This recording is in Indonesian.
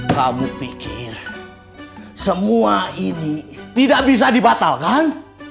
kamu pikir semua ini tidak bisa dibatalkan